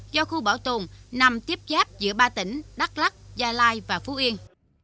cho khu bảo tồn nằm tiếp giáp giữa ba tỉnh đắk lắc gia lai và phú yên